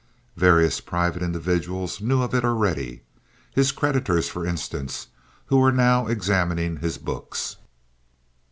Various private individuals knew of it already. His creditors, for instance, who were now examining his books.